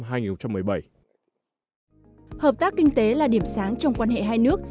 hợp tác kinh tế là điểm sáng trong quan hệ hai nước